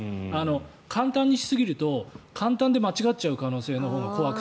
簡単にしすぎると簡単で間違っちゃう可能性のほうが怖くて。